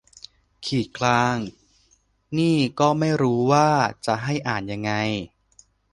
ขีดกลางนี่ก็ไม่รู้ว่าจะให้อ่านยังไง